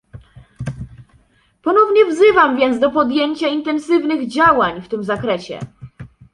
Ponownie wzywam więc do podjęcia intensywnych działań w tym zakresie